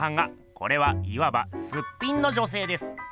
これはいわば「すっぴん」の女せいです。